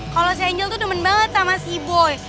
kalo si angel tuh demen banget sama si boy